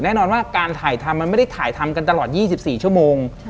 แน่นอนว่าการถ่ายทำมันไม่ได้ถ่ายทำกันตลอด๒๔ชั่วโมง